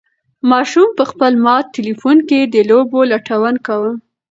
ماشوم په خپل مات تلیفون کې د لوبو لټون کاوه.